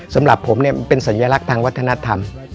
สำหรับผมเนี่ยเป็นสัญลักษณ์ทางวัฒนธรรม